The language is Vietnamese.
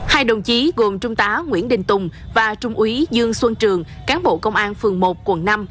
hai đồng chí gồm trung tá nguyễn đình tùng và trung úy dương xuân trường cán bộ công an phường một quận năm